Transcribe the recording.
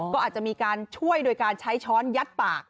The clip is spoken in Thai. ก็อาจจะมีการช่วยโดยการใช้ช้อนยัดปาก